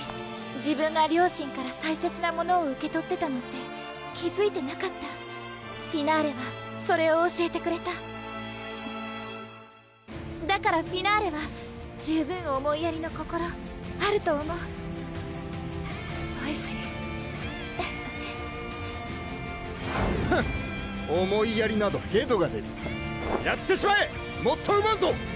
自分が両親から大切なものを受け取ってたなんて気づいてなかったフィナーレはそれを教えてくれただからフィナーレは十分思いやりの心あると思うスパイシーフン思いやりなどへどが出るやってしまえモットウバウゾー！